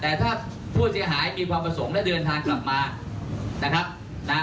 แต่ถ้าผู้เสียหายมีความประสงค์แล้วเดินทางกลับมา